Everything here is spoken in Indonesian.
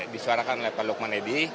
disuarakan oleh pak lukman edi